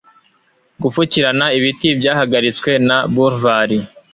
gupfukirana ibiti byahagaritswe na bulvari